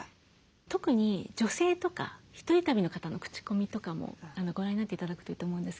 特に女性とか１人旅の方の口コミとかもご覧になって頂くといいと思うんですけどね。